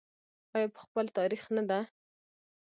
آیا په خپل تاریخ نه ده؟